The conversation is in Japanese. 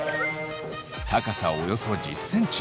高さおよそ１０ｃｍ。